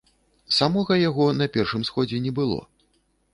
Самога яго на першым сходзе не было.